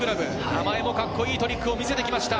名前もカッコいいトリックを見せました